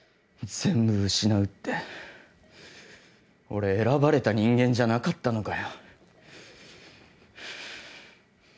全部失うって俺選ばれた人間じゃなかったのかよ